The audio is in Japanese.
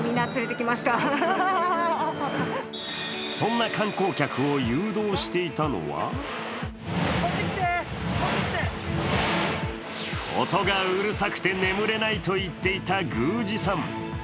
そんな観光客を誘導していたのは音がうるさくと眠れないと行っていた宮司さん。